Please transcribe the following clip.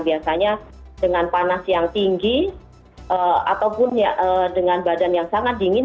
biasanya dengan panas yang tinggi ataupun dengan badan yang sangat dingin